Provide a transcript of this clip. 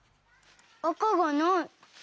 あかがない。